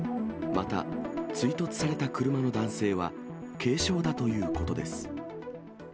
また追突された車の男性は軽傷だということです。